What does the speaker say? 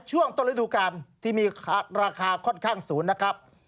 ช่วงต้นฤดูกาลที่มีราคาค่อนข้างสูงนะครับ